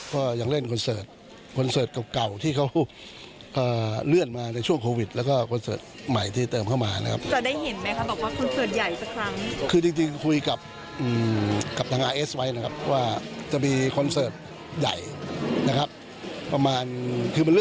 ก็ยังเล่นคอนเสิร์ตคอนเสิร์ตเก่าที่เขาเลื่อนมาในช่วงโควิดแล้วก็คอนเสิร์ตใหม่ที่เติมเข้ามานะครับว่าเดี๋ยวได้เห็นไม่เข้าบอกว่าคุณเกี่ยวจะต้องคุยจริงที่คุยกับกำลัง